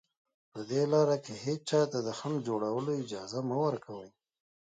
په دې لاره کې هېچا ته د خنډ جوړولو اجازه مه ورکوئ